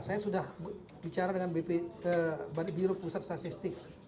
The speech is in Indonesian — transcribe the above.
saya sudah bicara dengan biro pusat statistik